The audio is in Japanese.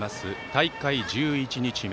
大会１１日目。